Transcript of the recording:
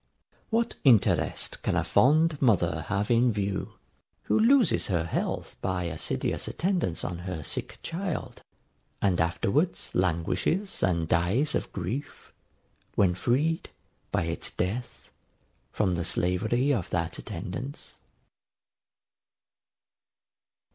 What interest can a fond mother have in view, who loses her health by assiduous attendance on her sick child, and afterwards languishes and dies of grief, when freed, by its death, from the slavery of that attendance?